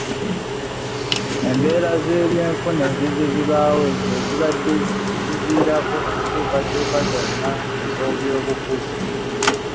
Embeera z'ebyenfuna ezizze zibaawo ze zibadde ziviirako enkyukakyuka zonna ez'ebyobufuzi.